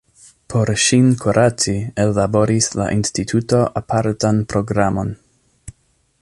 Por ŝin kuraci ellaboris la instituto apartan programon.